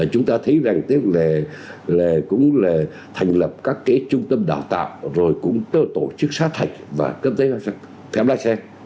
chúng ta thấy rằng tức là cũng là thành lập các cái trung tâm đào tạo rồi cũng tổ chức sát hạch và cấp giấy phép lái xe